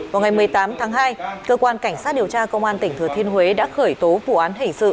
vào ngày một mươi tám tháng hai cơ quan cảnh sát điều tra công an tỉnh thừa thiên huế đã khởi tố vụ án hình sự